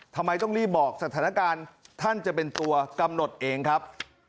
ทำไมต้องรีบบอกสถานการณ์ท่านจะเป็นตัวกำหนดเองครับ